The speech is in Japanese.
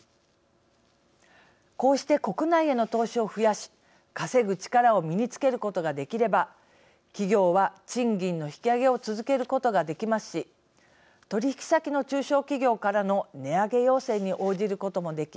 こうして国内への投資を増やし稼ぐ力を身につけることができれば企業は賃金の引き上げを続けることができますし取引先の中小企業からの値上げ要請に応じることもでき